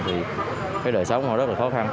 thì đời sống họ rất là khó khăn